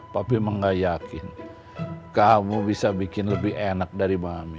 papih mah gak yakin kamu bisa bikin lebih enak dari mami